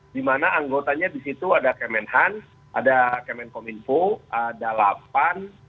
dimana anggotanya di situ ada kemenhan ada kemenko minfo ada lapan